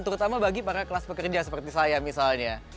terutama bagi para kelas pekerja seperti saya misalnya